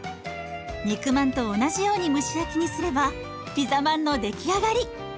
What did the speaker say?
肉まんと同じように蒸し焼きにすればピザまんの出来上がり。